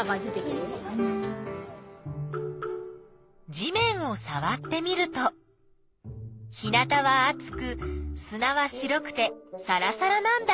地面をさわってみると日なたはあつくすなは白くてさらさらなんだ。